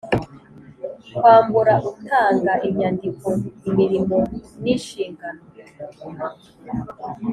kwambura utanga inyandiko imirimo n inshingano